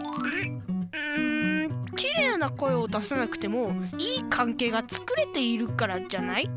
うんキレイな声を出さなくてもいい関係がつくれているからじゃない？